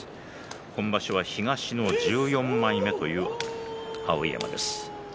今場所は東の１４枚目という碧山です。